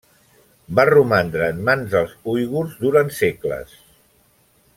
Va romandre en mans dels uigurs durant segles.